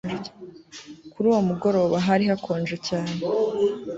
kuri uwo mugoroba hari hakonje cyane